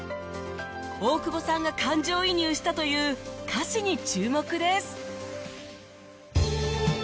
大久保さんが感情移入したという歌詞に注目です